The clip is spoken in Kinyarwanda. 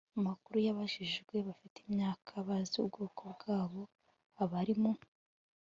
makuru y ababajijwe bafite imyaka bazi ubwoko bwabo abari mu